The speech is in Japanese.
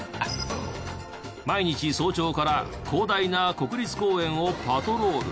毎日早朝から広大な国立公園をパトロール。